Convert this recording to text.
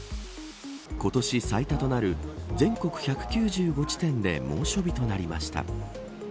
今年最多となる全国１９５地点で猛暑日となりました。